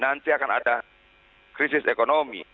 nanti akan ada krisis ekonomi